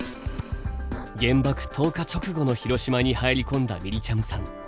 原爆投下直後の広島に入り込んだみりちゃむさん。